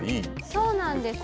そうなんです。